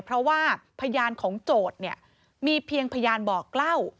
เพราะว่าพยานของโจทย์เนี่ยมีเพียงพยานบอกเล่า